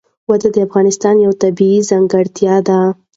وادي د افغانستان یوه طبیعي ځانګړتیا ده.